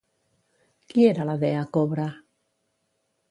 Qui era la dea cobra?